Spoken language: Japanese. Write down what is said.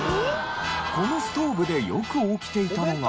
このストーブでよく起きていたのが。